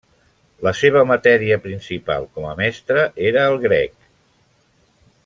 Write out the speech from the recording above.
La seva matèria principal com a mestre era el grec.